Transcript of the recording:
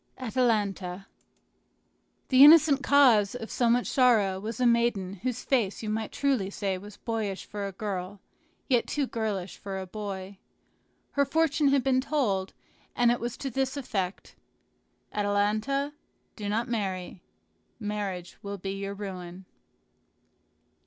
ATALANTA The innocent cause of so much sorrow was a maiden whose face you might truly say was boyish for a girl, yet too girlish for a boy. Her fortune had been told, and it was to this effect: "Atalanta, do not marry; marriage will be your ruin."